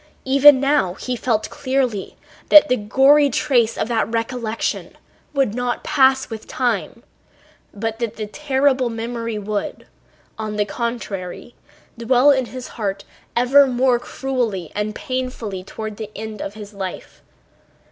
Even now he felt clearly that the gory trace of that recollection would not pass with time, but that the terrible memory would, on the contrary, dwell in his heart ever more cruelly and painfully to the end of his life.